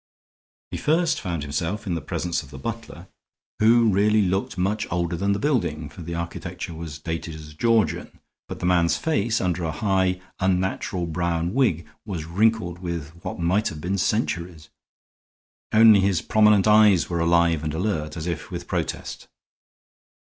He first found himself in the presence of the butler, who really looked much older than the building, for the architecture was dated as Georgian; but the man's face, under a highly unnatural brown wig, was wrinkled with what might have been centuries. Only his prominent eyes were alive and alert, as if with protest.